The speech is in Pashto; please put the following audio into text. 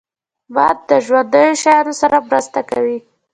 باد د ژوندیو شیانو سره مرسته کوي